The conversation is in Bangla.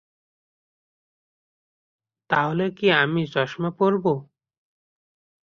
তাহলে আমি কি চশমা পরবো?